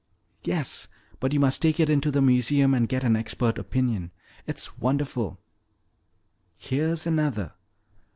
"Yes. But you must take it in to the museum and get an expert opinion. It's wonderful!" "Here's another."